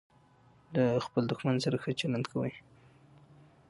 له خپل دوښمن سره هم ښه چلند کوئ!